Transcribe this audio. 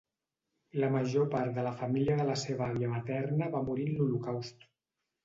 La major part de la família de la seva àvia materna va morir en l'Holocaust.